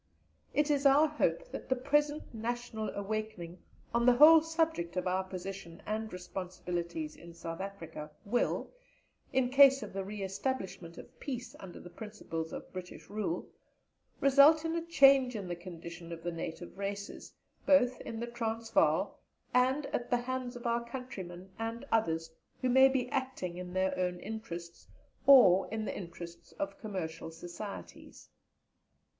It is our hope that the present national awakening on the whole subject of our position and responsibilities in South Africa will in case of the re establishment of peace under the principles of British rule result in a change in the condition of the native races, both in the Transvaal, and at the hands of our countrymen and others who may be acting in their own interests, or in the interests of Commercial Societies.